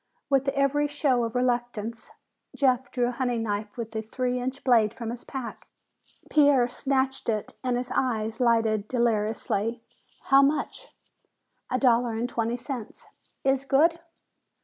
With every show of reluctance, Jeff drew a hunting knife with a three inch blade from his pack. Pierre snatched it and his eyes lighted deliriously. "How much?" "A dollar and twenty cents." "Is good!"